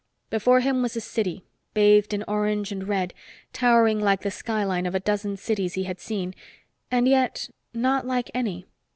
Before him was a city, bathed in orange and red, towering like the skyline of a dozen cities he had seen and yet; not like any.